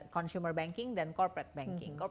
consumer banking dan corporate banking